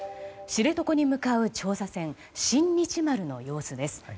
知床に向かう調査船「新日丸」の様子です。